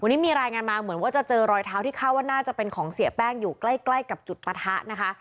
วันนี้มีรายงานมาเหมือนว่าจะเจอรอยเท้าที่คาดว่าน่าจะเป็นของเสียแป้งอยู่ใกล้ใกล้กับจุดปะทะนะคะ